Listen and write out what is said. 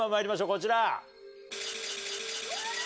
こちら。